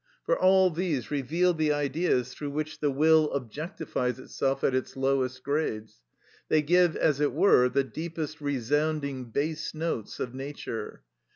For all these reveal the Ideas through which the will objectifies itself at its lowest grades, they give, as it were, the deepest resounding bass notes of nature.